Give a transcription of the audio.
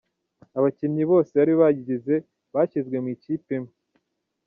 Abakinnyi bose bari bayigize bashyizwe mu ikipe imwe.